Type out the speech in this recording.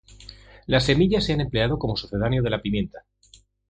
Las semillas se han empleado como sucedáneo de la pimienta.